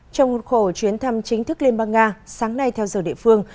trong cuộc khổ chuyến thăm chính thức liên bang nga sáng nay theo giờ địa phương